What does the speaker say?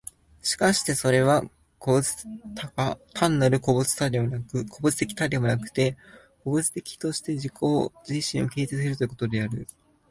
しかしてそれは個物的多が、単なる個物的多ではなくして、個物的として自己自身を形成するということである。